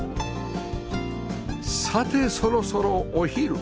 さてそろそろお昼